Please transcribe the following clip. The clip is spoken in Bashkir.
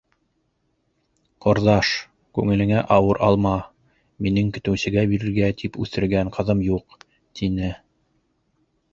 Ҡорҙаш, күңелеңә ауыр алма, минең көтөүсегә бирергә тип үҫтергән ҡыҙым юҡ, — тине.